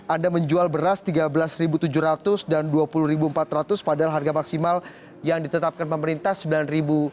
anda menjual beras rp tiga belas tujuh ratus dan rp dua puluh empat ratus padahal harga maksimal yang ditetapkan pemerintah rp sembilan